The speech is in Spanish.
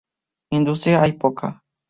Industria hay poca.